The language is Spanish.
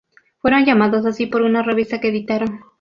Fueron llamados así por una revista que editaron.